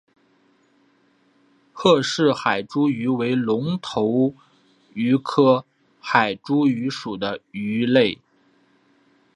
赫氏海猪鱼为隆头鱼科海猪鱼属的鱼类。